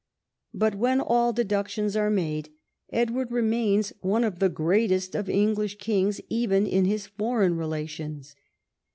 But, when all deductions are made, Edward remains one of the greatest of English kings even in his foreign relations.